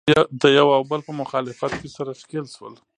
دوی د یو او بل په مخالفت کې سره ښکلیل شول